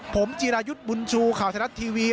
ผมจีรายุทธ์บุญชูข่าวไทยรัฐทีวี